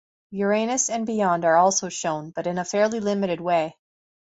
Uranus and beyond are also shown, but in a fairly limited way.